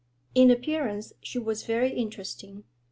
In appearance she was very interesting.